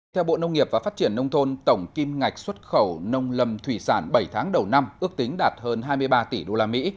theo bộ nông nghiệp và phát triển nông thôn tổng kim ngạch xuất khẩu nông lâm thủy sản bảy tháng đầu năm ước tính đạt hơn hai mươi ba tỷ đô la mỹ